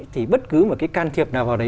thì bất cứ một cái can thiệp nào vào đấy